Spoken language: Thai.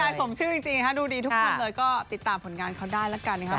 ใช่สมชื่อจริงดูดีทุกคนเลยก็ติดตามผลงานเขาได้แล้วกันนะครับ